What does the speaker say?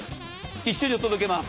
一緒にお届けします。